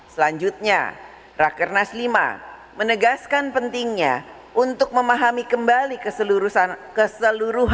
selanjutnya rakernas lima menegaskan pentingnya untuk memahami kembali keseluruhan aspek sejarah yang berada di dalam pemerintahan